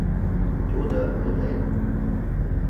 Тудо ойлен: